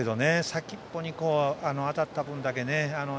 先っぽに当たった分だけね。